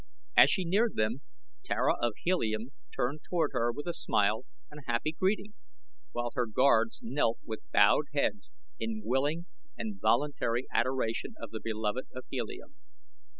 As she neared them Tara of Helium turned toward her with a smile and a happy greeting, while her guards knelt with bowed heads in willing and voluntary adoration of the beloved of Helium.